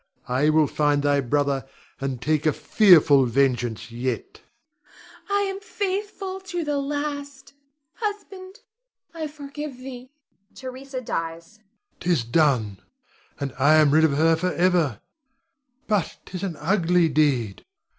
I will find thy brother and take a fearful vengeance yet. Theresa. I am faithful to the last. Husband, I forgive thee. [Theresa dies. Rod. 'Tis done, and I am rid of her forever; but 'tis an ugly deed.